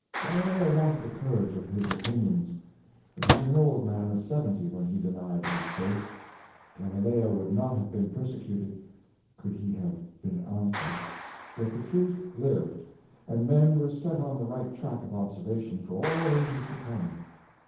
Galileo wanted the courage of his opinions. But he was an old man of seventy when he denied his faith. Galileo would not have been persecuted could he have been answered. Yet the truth lived, and men were set on the right track of observation for all ages to come.